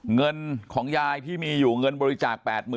เงินของยายที่มีอยู่เงินบริจาค๘๐๐๐